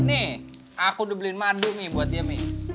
nih aku udah beliin madu mi buat dia mi